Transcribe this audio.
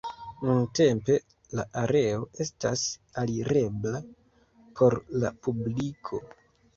Nuntempe la areo estas alirebla por la publiko.